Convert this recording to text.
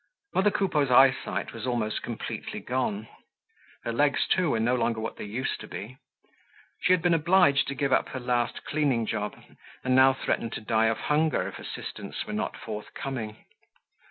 Mother Coupeau's eyesight was almost completely gone. Her legs too were no longer what they used to be. She had been obliged to give up her last cleaning job and now threatened to die of hunger if assistance were not forthcoming.